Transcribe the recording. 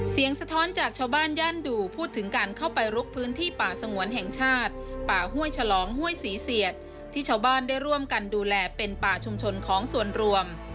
สะท้อนจากชาวบ้านย่านดูพูดถึงการเข้าไปลุกพื้นที่ป่าสงวนแห่งชาติป่าห้วยฉลองห้วยศรีเสียดที่ชาวบ้านได้ร่วมกันดูแลเป็นป่าชุมชนของส่วนรวม